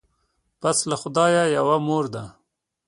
پس له خدایه یوه مور ده